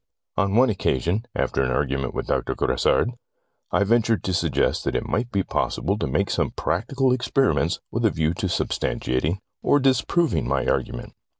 On one occasion, after an argument with Doctor Grassard, I ventured to suggest that it might be possible to make some practical experiments with a view to substantiating or dis proving my argument.